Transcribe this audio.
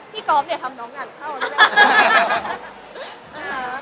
พี่กอล์ฟเนี่ยทำน้องหยั่นเข้าเลย